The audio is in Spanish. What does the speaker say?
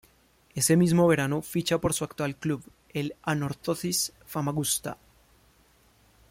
Ese mismo verano ficha por su actual club, el Anorthosis Famagusta.